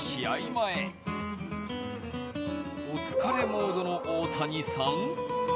前お疲れモードの大谷さん？